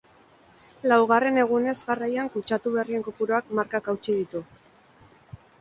Laugarren egunez jarraian kutsatu berrien kopuruak markak hautsi ditu.